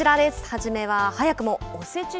初めは早くもおせち